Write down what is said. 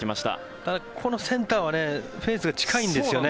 ただ、このセンターはフェンスが近いんですよね。